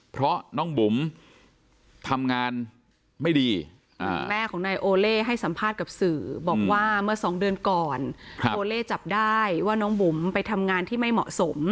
เพราะน้องบุ๋มทำงานไม่ดีแม่ของนายโอเล่ให้สัมภาษณ์กับสื่อบอกว่าเมื่อสองเดือนก่อนโอเล่จับได้ว่าน้องบุ๋มไปทำงานที่ไม่เหมาะสม